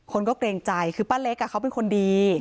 คนก็เกรงใจคือป้าเล็กเขาเป็นคนดี